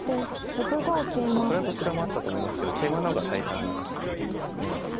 これはどちらもあったと思いますけど桂馬の方が最短の勝ちということですね。